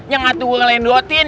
yang atu gue ngelendotin